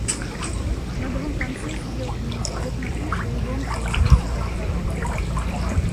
На другом конце сидел князь, плотно кушая и громко и весело разговаривая.